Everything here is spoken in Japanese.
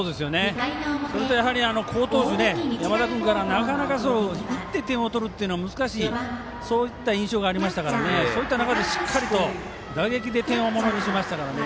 それと好投手、山田君から打って点取るっていうのは難しい印象がありましたからそういった中でしっかりと打撃で点を入れましたからね。